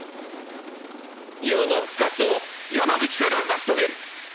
日本の復活を山口から成し遂げる。